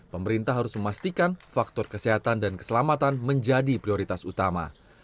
pemerintah harus memastikan faktor kesehatan dan keselamatan menjadi prioritas utama